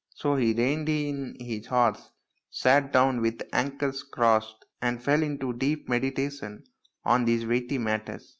So he reined in his horse, sat down with ankles crossed, and fell into deep meditation on these weighty matters.